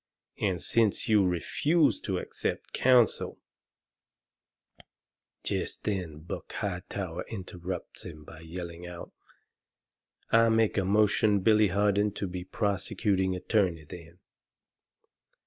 And since you refuse to accept counsel " Jest then Buck Hightower interrupts him by yelling out, "I make a motion Billy Harden be prosecuting attorney, then.